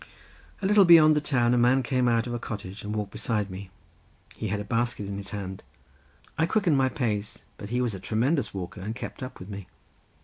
A little way beyond the town a man came out of a cottage and walked beside me. He had a basket in his hand. I quickened my pace; but he was a tremendous walker, and kept up with me.